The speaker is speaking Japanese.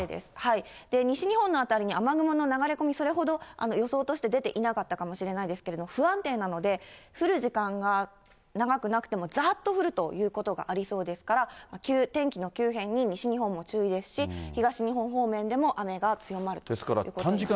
西日本の辺りに雨雲の流れ込み、それほど予想として出ていなかったかもしれないですけれども、不安定なので、降る時間が長くなくても、ざーっと降るということがありそうですから、天気の急変に西日本も注意ですし、東日本方面でも、雨が強まるということになります。